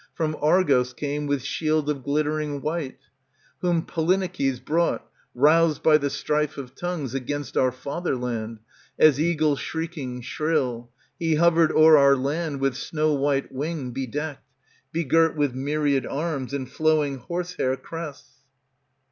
From Argos came, with shield of glittering wnitc ; Whom Polyneikes brought, ^^° Roused by the strife of tongues Against our fatherland, As eagle shrieking shrill. He hovered o'er our land. With snow white wing bedecked. Begirt with myriad arms, And flowing horsehair crests.